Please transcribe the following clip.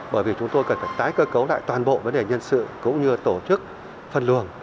bởi vì chúng tôi cần phải tái cơ cấu lại toàn bộ vấn đề nhân sự cũng như tổ chức phân luồng